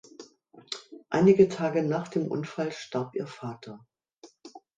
Einige Tage nach dem Unfall starb ihr Vater.